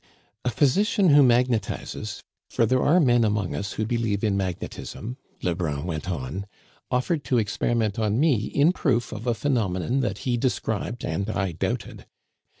"A physician who magnetizes for there are men among us who believe in magnetism," Lebrun went on, "offered to experiment on me in proof of a phenomenon that he described and I doubted.